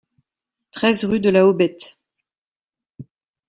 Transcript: treize rue de la Hobette